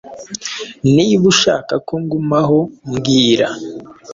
Niba ushaka ko ngumaho, mbwira.